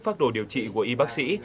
pháp đồ điều trị của y bác sĩ